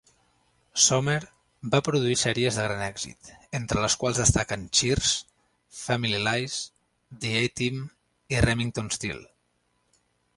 Sohmer va produir sèries de gran èxit, entre les quals destaquen "Cheers", "Family Lies", "The A-Team" i "Remington Steele".